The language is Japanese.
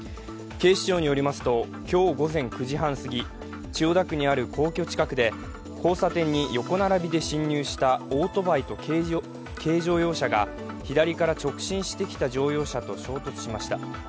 警視庁によりますと、今日午前９時半すぎ、千代田区にある皇居近くで交差点に横並びで進入したオートバイと軽乗用車が左から直進してきた乗用車と衝突しました。